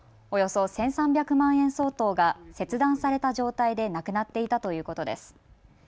およそ１３００万円相当が切断された状態でなくなっていたということです。